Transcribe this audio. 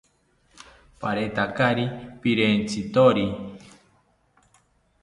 Paretakari pirentzithori